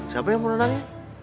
siapa yang mau nenangin